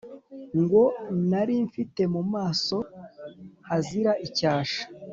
ngo nari mfite mu maso hazira icyasha,